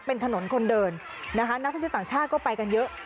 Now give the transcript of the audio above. เป็นถนนคนเดินนะคะนักท่องเที่ยวต่างชาติก็ไปกันเยอะ